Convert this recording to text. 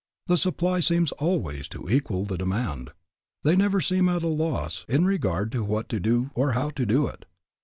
The supply seems always equal to the demand. They never seem at a loss in regard to what to do or how to do it.